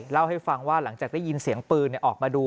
เล่าให้ฟังว่าหลังจากได้ยินเสียงปืนออกมาดู